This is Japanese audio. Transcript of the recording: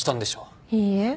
いいえ。